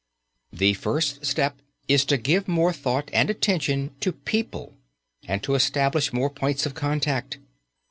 The first step is to give more thought and attention to people, and to establish more points of contact.